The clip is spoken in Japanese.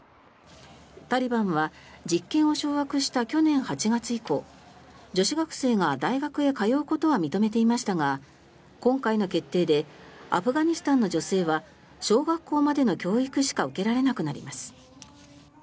タリバンは実権を掌握した去年８月以降女子学生が大学へ通うことは認めていましたが今回の決定でアフガニスタンの女性は小学校までの教育しか受けられなくなります。